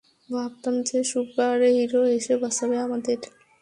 ভাবতাম যে, সুপারহিরো এসে বাঁচাবে আমাদের।